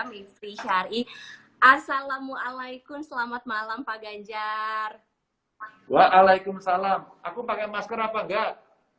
mifri syari assalamualaikum selamat malam pak ganjar waalaikumsalam aku pakai masker apa enggak